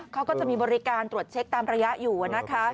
เขาก็จะมีบริการตรวจเช็คตามระยะอยู่นะคะ